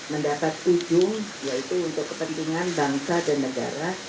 mendapat ujung yaitu untuk kepentingan bangsa dan negara